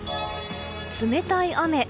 冷たい雨。